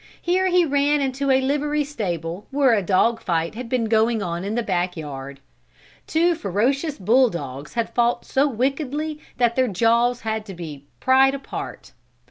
Here he ran into a livery stable where a dog fight had been going on in the back yard. Two ferocious bull dogs, had fought so wickedly that their jaws had had to be pried apart.